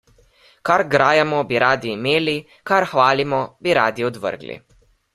Kar grajamo, bi radi imeli, kar hvalimo, bi radi odvrgli.